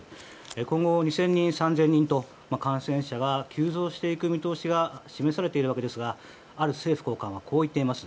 今後、２０００人３０００人と感染者が急増していく見通しが示されているわけですがある政府高官はこう言っています。